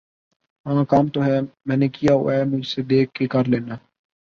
ہاں کام تو ہے۔۔۔ میں نے کیا ہوا ہے مجھ سے دیکھ کے کر لینا۔